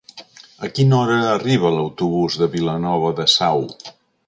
A quina hora arriba l'autobús de Vilanova de Sau?